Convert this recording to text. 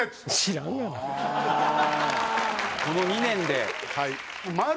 この２年で？